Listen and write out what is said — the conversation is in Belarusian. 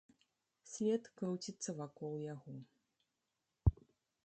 Свет круціцца вакол яго.